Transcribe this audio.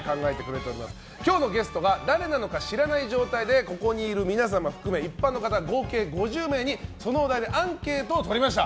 今日のゲストが誰なのか知らない状態でここにいる皆様を含め一般の方合計５０名にそのお題でアンケートをとりました。